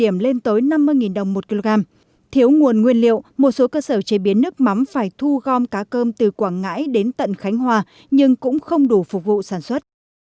một số cơ sở chế biến nước mắm phải thu gom cá cơm từ quảng ngãi đến tận khánh hòa nhưng cũng không đủ phục vụ sản xuất